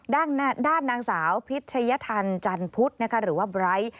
ด้านนางสาวพิธยธรรมจันทร์พุธหรือว่าไบรท์